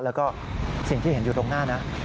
แล้วก็สิ่งที่เห็นอยู่ตรงหน้านะ